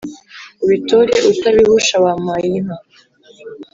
Ubitore utabihusha wampaye inka